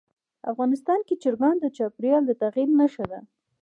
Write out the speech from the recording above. افغانستان کې چرګان د چاپېریال د تغیر نښه ده.